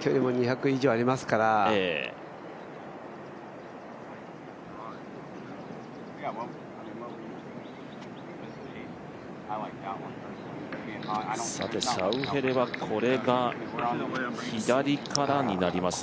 距離も２００以上ありますからシャウフェレはこれが左からになりますね。